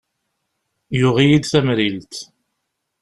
Yuɣ-iyi-d tamrilt.